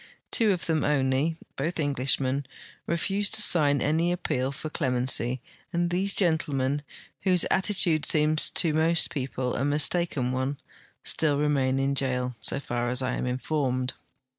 Tavo of them only, both Englishmen, refused to sign any appeal for clemency, and these gentlemen, Avhose attitude seems to most jAeople a mistaken one, still remain in jail, so far as I am informed.